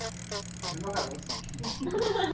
Sus primeras obras fueron retratos en miniatura.